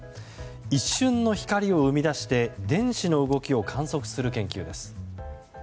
一瞬の光を生み出して電子の動きを観測する研究です。